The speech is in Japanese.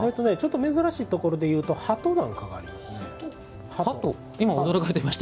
珍しいところでいうと鳩なんかがありますね。